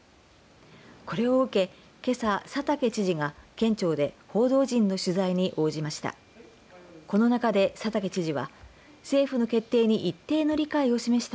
これを受け、けさ佐竹知事が県庁で報道陣の取材に応じました。